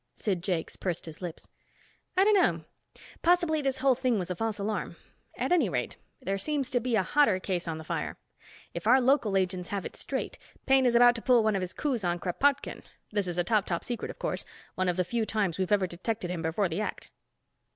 Sid Jakes pursed his lips. "I don't know. Possibly this whole thing was a false alarm. At any rate, there seems to be a hotter case on the fire. If our local agents have it straight, Paine is about to pull one of his coups on Kropotkin. This is a top top secret, of course, one of the few times we've ever detected him before the act."